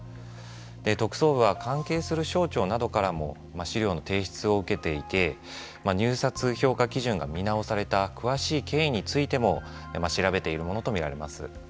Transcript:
特捜部は関係する省庁などからも資料の提出を受けていて入札評価基準が見直された詳しい経緯についても調べているものと見られます。